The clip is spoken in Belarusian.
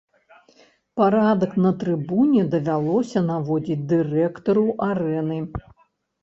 Парадак на трыбуне давялося наводзіць дырэктару арэны.